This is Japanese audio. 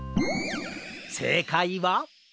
せいかいは？